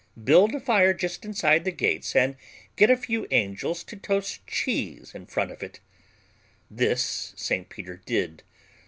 Build a fire just inside the gates and get a few angels to toast cheese in front of it" This St. Peter did.